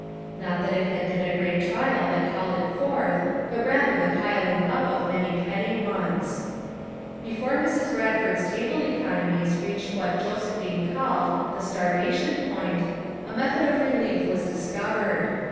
Not that it had been a great trial that called it forth, but rather the piling np of many petty ones. Before Mrs. Bradford's table economies reached what Josephine called the "starvation point" a method of relief was dis covered.